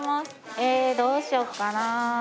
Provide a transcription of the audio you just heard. ええどうしようかな？